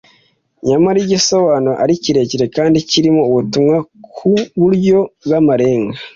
nyamara igisobanuro ari kirekire kandi kirimo ubutumwa ku buryo bw’amarenga,